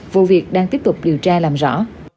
vụ việc đang tiếp tục điều tra làm rõ